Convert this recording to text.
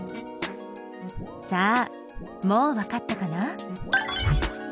さあもうわかったかな？